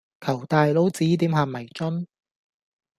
求大佬指點下迷津